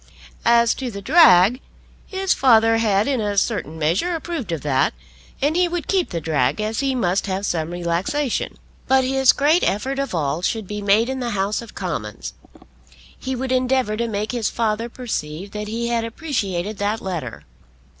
As to the drag, his father had in a certain measure approved of that, and he would keep the drag, as he must have some relaxation. But his great effort of all should be made in the House of Commons. He would endeavour to make his father perceive that he had appreciated that letter.